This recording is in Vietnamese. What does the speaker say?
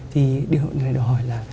thì điều này đòi hỏi là